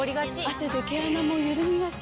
汗で毛穴もゆるみがち。